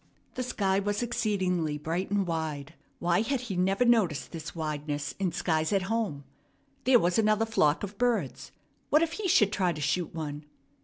The sky was exceedingly bright and wide. Why had he never noticed this wideness in skies at home? There was another flock of birds. What if he should try to shoot one?